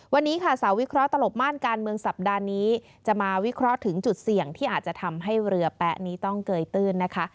วันนี้ค่ะสาววิเคราะห์ตลบม่านการเมืองสัปดาห์นี้จะมาวิเคราะห์ถึงจุดเสี่ยงที่อาจจะทำให้เรือแป๊ะนี้ต้องเกยตื้นนะคะ